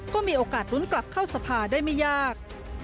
ก็มีโอกาสลุ้นกลับเข้าสภาได้ไม่ยาก